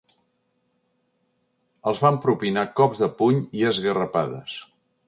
Els van propinar cops de puny i esgarrapades.